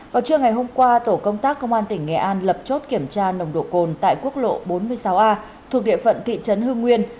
vào trưa ngày hôm qua tổ công tác công an tỉnh nghệ an lập chốt kiểm tra nồng độ cồn tại quốc lộ bốn mươi sáu a thuộc địa phận thị trấn hưng nguyên